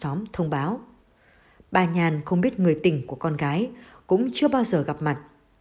trong thông báo bà nhàn không biết người tình của con gái cũng chưa bao giờ gặp mặt